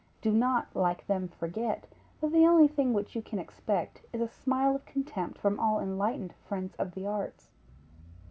Do not like them forget, that the only thing which you can expect is a smile of contempt from all enlightened friends of the arts.